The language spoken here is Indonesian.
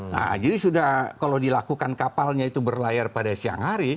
nah jadi sudah kalau dilakukan kapalnya itu berlayar pada siang hari